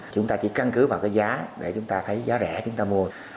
chúng ta chỉ căn cứ vào cái giá để chúng ta thấy giá rẻ chúng ta mua